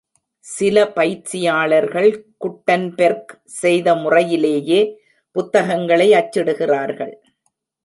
சில பயிற்சியாளர்கள் குட்டன்பெர்க் செய்த முறையிலேயே புத்தகங்களை அச்சிடுகிறார்கள்.